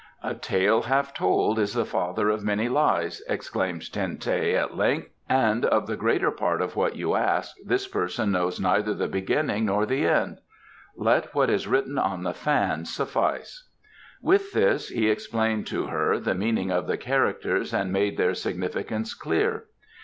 "A tale half told is the father of many lies," exclaimed Ten teh at length, "and of the greater part of what you ask this person knows neither the beginning nor the end. Let what is written on the fan suffice." With this he explained to her the meaning of the characters and made their significance clear.